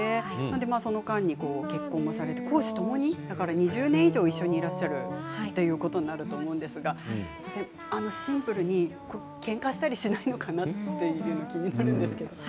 その間に結婚もされて公私ともに２０年以上一緒にいらっしゃるということになると思うんですがシンプルにけんかしたりしないのかなっていうのが気になるんですけど。